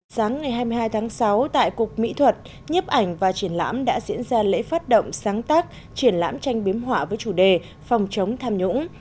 sáng ngày hai mươi hai tháng sáu tại cục mỹ thuật nhếp ảnh và triển lãm đã diễn ra lễ phát động sáng tác triển lãm tranh biếm họa với chủ đề phòng chống tham nhũng